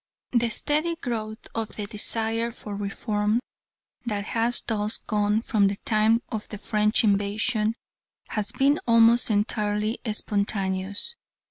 The steady growth of the desire for reform that has thus gone on from the time of the French invasion, has been almost entirely spontaneous.